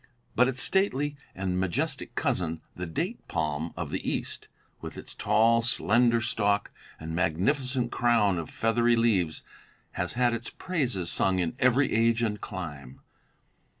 But its stately and majestic cousin, the date palm of the East, with its tall, slender stalk and magnificent crown of feathery leaves, has had its praises sung in every age and clime.